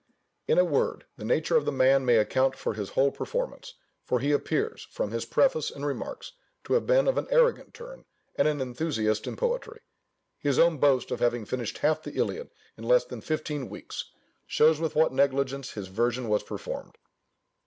In a word, the nature of the man may account for his whole performance; for he appears, from his preface and remarks, to have been of an arrogant turn, and an enthusiast in poetry. His own boast, of having finished half the Iliad in less than fifteen weeks, shows with what negligence his version was performed.